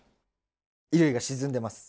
衣類が沈んでます。